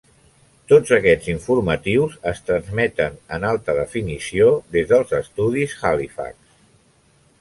Tots aquests informatius es transmeten en alta definició des dels estudis Halifax.